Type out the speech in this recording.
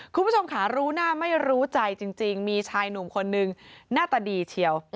คุณผู้ชมค่ะรู้หน้าไม่รู้ใจจริงมีชายหนุ่มคนนึงหน้าตาดีเชียว